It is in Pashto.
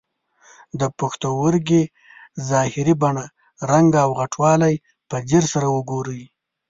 د پښتورګي ظاهري بڼه، رنګ او غټوالی په ځیر سره وګورئ.